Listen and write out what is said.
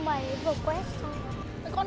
mày vừa quét xong